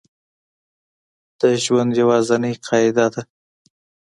د ژوند یوازینۍ قاعده ده